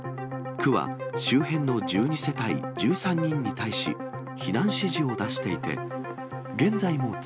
区は周辺の１２世帯１３人に対し、避難指示を出していて、現在も続